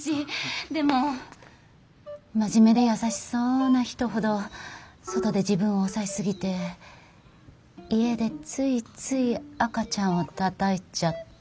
でも真面目で優しそうな人ほど外で自分を抑えすぎて家でついつい赤ちゃんをたたいちゃったり。